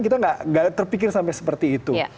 kita nggak terpikir sampai seperti itu